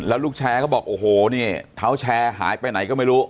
แล้วลูกแชร์เขาบอกโอ้โหนี่เท้าแชร์หายไปไหนก็ไม่รู้